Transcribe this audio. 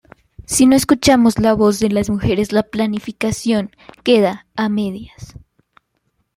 Si no escuchamos la voz de las mujeres, la planificación queda a medias.